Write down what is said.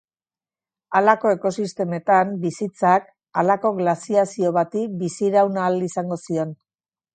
Halako ekosistemetan bizitzak halako glaziazio bati biziraun ahal izango zion.